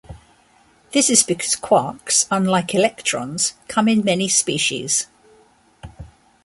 This is because quarks, unlike electrons, come in many species.